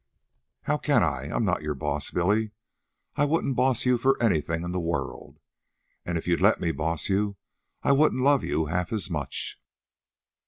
"How can I? I'm not your boss, Billy. I wouldn't boss you for anything in the world. And if you'd let me boss you, I wouldn't love you half as much."